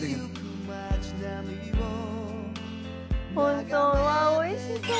本当おいしそう。